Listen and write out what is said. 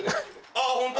あっホント？